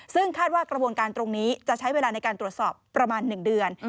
ซึ่งคาดว่ากระบวนการตรงนี้จะใช้เวลาในการตรวจสอบประมาณ๑เดือน